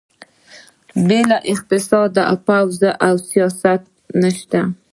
بې له اقتصاده پوځ او سیاست نشته.